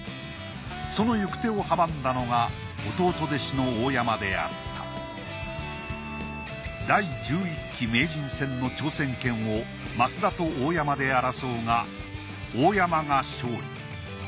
その行く手を阻んだのが弟弟子の大山であった第１１期名人戦の挑戦権を升田と大山で争うが大山が勝利。